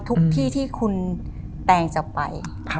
ทุกที่ที่คุณแตงจะไป